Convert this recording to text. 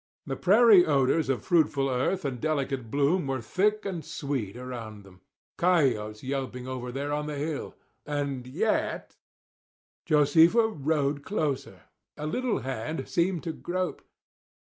The prairie odours of fruitful earth and delicate bloom were thick and sweet around them. Coyotes yelping over there on the hill! No fear. And yet— Josefa rode closer. A little hand seemed to grope.